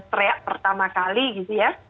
teriak pertama kali gitu ya